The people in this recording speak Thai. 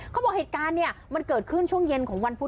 เขาบอกเหตุการณ์เนี่ยมันเกิดขึ้นช่วงเย็นของวันพุธ